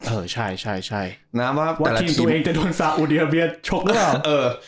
เออใช่ใช่ใช่นะว่าวัคคิงตัวเองจะโดนสาหุทีระเบียดชกด้วยหรอเออ